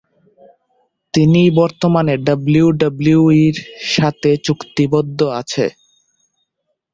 তিনি বর্তমানে ডাব্লিউডাব্লিউই-এর সাথে চুক্তিবদ্ধ আছে।